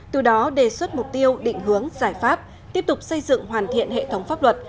từ đó đề xuất mục tiêu định hướng giải pháp tiếp tục xây dựng hoàn thiện hệ thống pháp luật